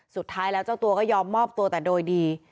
สุดท้ายแล้วเจ้าตัวก็ยอมมอบตัวแต่โดยดี